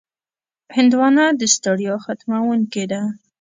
هندوانه د ستړیا ختموونکې ده.